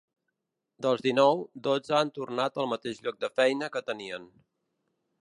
Dels dinou, dotze han tornat al mateix lloc de feina que tenien.